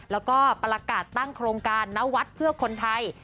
แล้วก็ประกาศตั้งโครงการณวัดเพื่อคนไทย